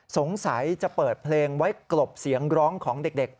สงสัยจะเปิดเพลงไว้กลบเสียงร้องของเด็ก